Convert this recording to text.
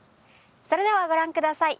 それではご覧ください。